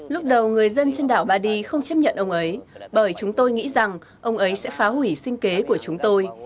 lúc đầu người dân trên đảo badi không chấp nhận ông ấy bởi chúng tôi nghĩ rằng ông ấy sẽ phá hủy sinh kế của chúng tôi